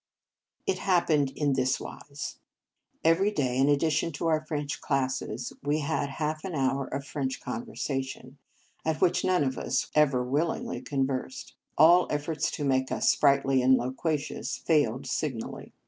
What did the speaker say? It happened in this wise. Every day, in addition to our French classes, we had half an hour of French conversa tion, at which none of us ever will ingly conversed. All efforts to make us sprightly and loquacious failed signally.